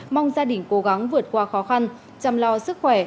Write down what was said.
mong gia đình cố gắng vượt qua khó khăn chăm lo sức khỏe